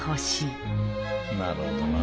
なるほどな。